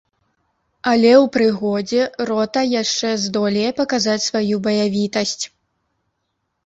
Але ў прыгодзе рота яшчэ здолее паказаць сваю баявітасць.